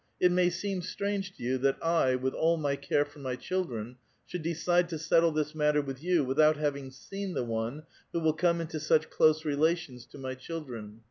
It may seem strange to you that I, with all my care for my children, should decide to settle this matter with you without having seen the one who will come into such close relations to my children.